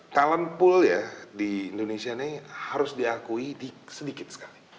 talent pool ya di indonesia ini harus diakui sedikit sekali